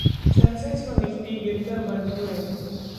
Sensex व Nifty गिरकर बंद हुए